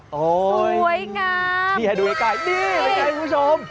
โอ้โฮสวยงามนี่ให้ดูไว้ใกล้นี่อะไรแบบนี้คุณผู้ชม